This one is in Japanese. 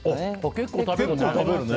結構食べるね。